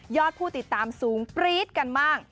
ยอดผู้ติดตามสูงปรี๊ดกันบ้าง